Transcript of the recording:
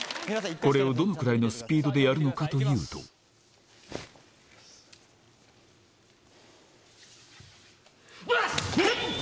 これをどのくらいのスピードでやるのかというとおらっ！